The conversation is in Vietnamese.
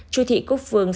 chu thị cúc phương